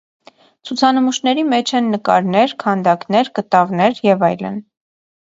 Ցուցանմուշների մեջ են նկարներ, քանդակներ, կտավներ և այլն։